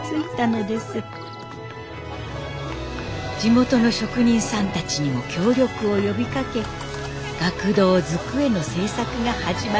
地元の職人さんたちにも協力を呼びかけ学童机の製作が始まりました。